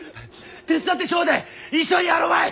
手伝ってちょうでえ一緒にやろまい！